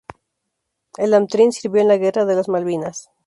El "Antrim" sirvió en la Guerra de las Malvinas.